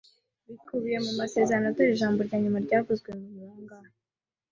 bikubiye mu masezerano, dore ijambo rya nyuma ryavuzwe ngo: 'Ni bangahe?'